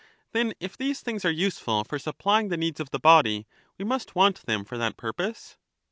Then if these things are useful for supplying the needs of the body, we must want them for that purpose?